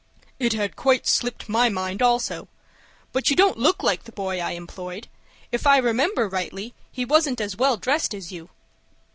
"It had quite slipped my mind also. But you don't look like the boy I employed. If I remember rightly he wasn't as well dressed as you."